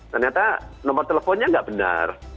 ternyata nomor teleponnya nggak benar